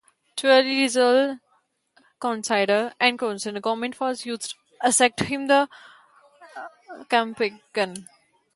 Taylor's refusal to consider a consensus government was used against him in the campaign.